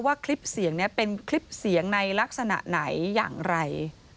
คลิปเสียงนี้เป็นคลิปเสียงในลักษณะไหนอย่างไร